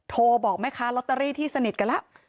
โทรบอกไหมคะลอตเตอรี่ที่สนิทกันล่ะ